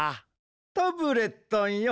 タブレットンよ